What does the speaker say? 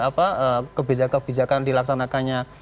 apa kebijakan kebijakan dilaksanakannya